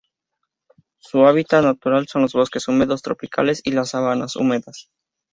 Su hábitats naturales son los bosques húmedos tropicales y las sabanas húmedas.